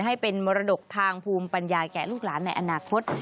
ให้เป็นมรดกทางภูมิปัญญาแก่ลูกหลานในอนาคต